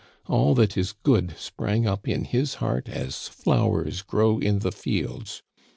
All that is good sprang up in his heart as flowers grow in the fields.